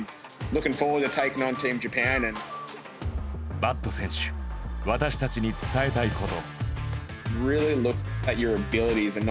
バット選手私たちに伝えたいこと。